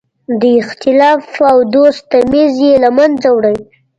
د اختلاف او دوست تمیز یې له منځه وړی.